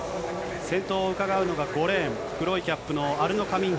先頭をうかがうのが５レーン、黒いキャップのアルノ・カミンハ。